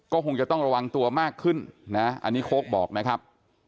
ก็คงจะต้องระวังตัวมากขึ้นนะอันนี้โค้กบอกนะครับ